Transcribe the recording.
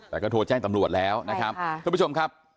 แต่ก็โทรแจ้งตำรวจแล้วนะครับทุกผู้ชมครับ